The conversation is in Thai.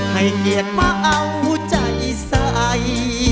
ให้เกียรติมาเอาใจใส่